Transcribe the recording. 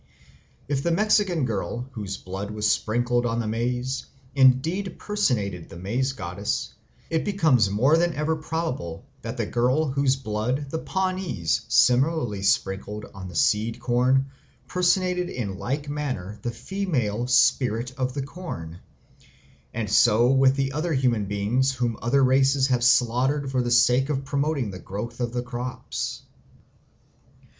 If the Mexican girl, whose blood was sprinkled on the maize, indeed personated the Maize Goddess, it becomes more than ever probable that the girl whose blood the Pawnees similarly sprinkled on the seed corn personated in like manner the female Spirit of the Corn; and so with the other human beings whom other races have slaughtered for the sake of promoting the growth of the crops.